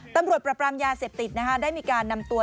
ประปรามยาเสพติดได้มีการนำตัว